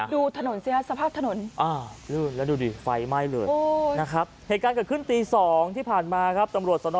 ดูถนนสิครับสภาพถนน